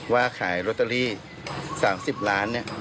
ว่าขายโรตเตอรี่๓๐ล้านเนี่ย